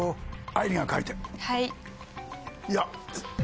はい。